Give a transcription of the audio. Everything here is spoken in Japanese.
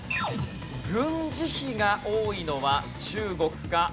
軍事費が多いのは中国か？